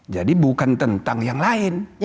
jadi bukan tentang yang lain